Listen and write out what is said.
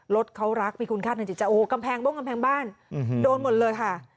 รถเขารักมีคุณค่าทางจิตใจโอ้โหกำแพงบ้งกำแพงบ้านโดนหมดเลยค่ะ